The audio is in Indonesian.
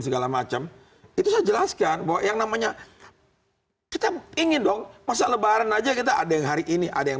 segala macam itu saya jelaskan bahwa yang namanya kita ingin dong masa lebaran aja kita ada yang hari ini ada yang